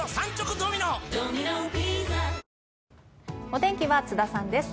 お天気は津田さんです。